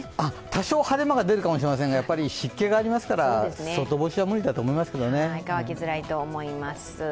多少、晴れ間が出るかもしれませんが、湿気がありますから外干しは無理だと思います。